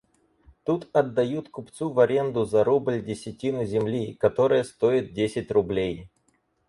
Тут отдают купцу в аренду за рубль десятину земли, которая стоит десять рублей.